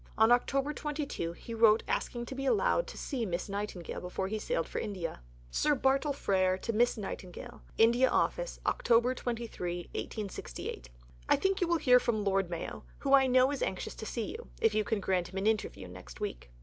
On October 22 he wrote asking to be allowed to see Miss Nightingale before he sailed for India: (Sir Bartle Frere to Miss Nightingale.) INDIA OFFICE, Oct. 23 . I think you will hear from Lord Mayo, who I know is anxious to see you, if you can grant him an interview next week.